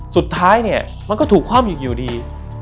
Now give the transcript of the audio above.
สุดท้ายเนี่ยมันก็ถูกคว่ำอีกอยู่ดี